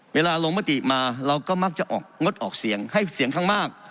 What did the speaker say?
ลงมติมาเราก็มักจะออกงดออกเสียงให้เสียงข้างมาก